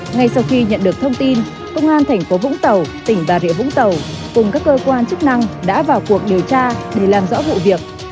ngay sau khi nhận được thông tin công an thành phố vũng tàu tỉnh bà rịa vũng tàu cùng các cơ quan chức năng đã vào cuộc điều tra để làm rõ vụ việc